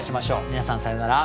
皆さんさようなら。